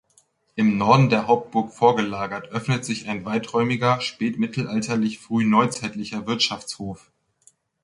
Im Norden der Hauptburg vorgelagert öffnet sich ein weiträumiger, spätmittelalterlich-frühneuzeitlicher Wirtschaftshof.